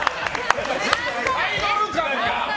アイドル感が。